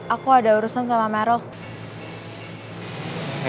aku ada urusan sama merok